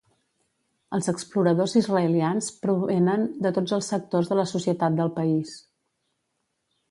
Els exploradors israelians provenen de tots els sectors de la societat del país.